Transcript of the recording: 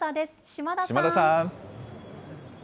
嶋田さん。